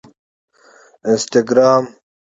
انسټاګرام